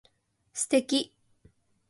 素敵